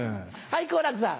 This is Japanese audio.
はい。